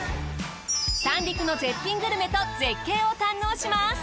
三陸の絶品グルメと絶景を堪能します。